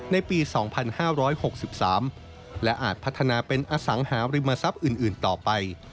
ในปี๒๕๖๓และอาจพัฒนาเป็นอสังหาริมทรัพย์อื่นต่อไป